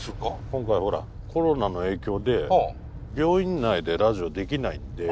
今回コロナの影響で病院内でラジオできないんで。